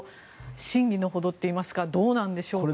真偽のほどといいますかどうなんでしょうか。